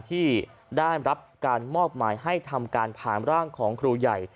ที่ได้รับการมอบหมายให้ทำการผ่านร่างของครูใหญ่